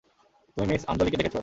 তুমি মিস আঞ্জলিকে দেখেছো?